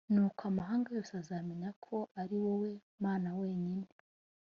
nuko amahanga yose azamenya ko ari wowe mana wenyine